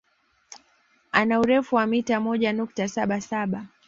Ana urefu wa mita moja nukta saba saba